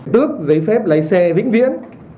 tước giấy phép lấy xe vĩnh viễn